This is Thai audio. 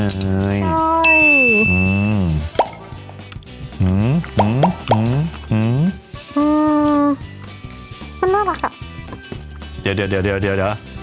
อืมอืมอืมอืมอืมอืมมันน่ารักอ่ะเดี๋ยวเดี๋ยวเดี๋ยวเดี๋ยวเดี๋ยว